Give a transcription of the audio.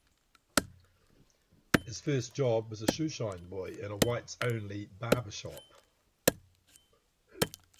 His first job was a shoeshine boy in a whites-only barber shop.